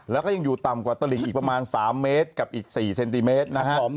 แล้วก็ยังอยู่ต่ำกว่าตลิงอีกประมาณ๓เมตรกับอีก๔เซนติเมตรนะครับ